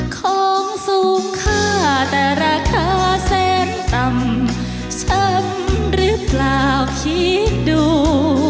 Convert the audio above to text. ของสูงค่าแต่ราคาแสนต่ำช้ำหรือเปล่าคิดดู